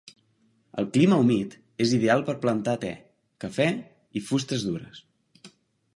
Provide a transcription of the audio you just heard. El clima humit és ideal per plantar te, cafè i fustes dures.